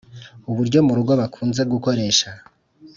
uburyo murugo bakunze gukoresha